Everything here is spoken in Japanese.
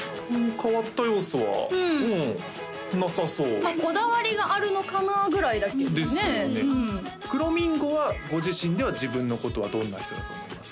変わった要素はうんなさそうこだわりがあるのかなぐらいだけどねですよねくろみんごはご自身では自分のことはどんな人だと思います？